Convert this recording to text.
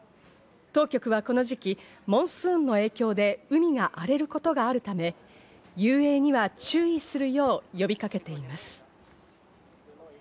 当局はこの時期、モンスーンの影響で海が荒れることがあるため、遊泳には注意するよう呼びかけています。